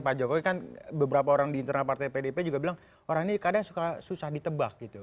pak jokowi kan beberapa orang di internal partai pdp juga bilang orang ini kadang susah ditebak gitu